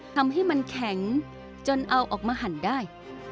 ทำให้มันแข็งจนเอาออกมาหั่นได้